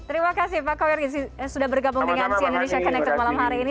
terima kasih pak koirizi sudah bergabung dengan cianudisya connected malam hari ini